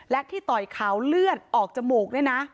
และที่ต่อยเขาเลือดออกจมูกเนี่ยนะ